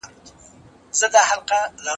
زکات د اسلامي اقتصاد ستنه ده.